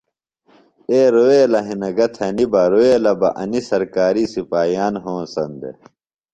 اے رُویلے ہنہ گہ تھنیۡ بہ، رُویلے بہ انیۡ سرکاریۡ سِپاہیان ھونسن دےۡ